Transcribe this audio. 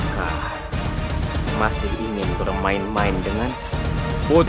kami hanya ingin berada di pihak yang benar